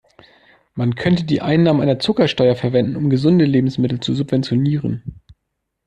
Man könnte die Einnahmen einer Zuckersteuer verwenden, um gesunde Lebensmittel zu subventionieren.